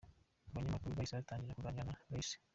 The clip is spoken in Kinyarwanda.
Abanyamakuru bahise batangira kuganira na Ray C.